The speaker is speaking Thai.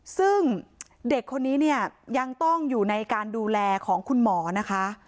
ซึ่งเด็กคนนี้เนี่ยยังต้องอยู่ในการดูแลของคุณหมอนะคะ